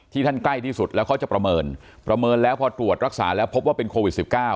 ท่านใกล้ที่สุดแล้วเขาจะประเมินประเมินแล้วพอตรวจรักษาแล้วพบว่าเป็นโควิด๑๙